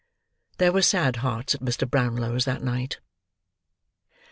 There were sad hearts at Mr. Brownlow's that night.